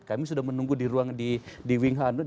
kami sudah menunggu di ruang di winghanud